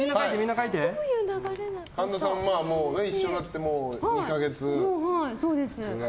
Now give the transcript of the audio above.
神田さんも一緒になって２か月。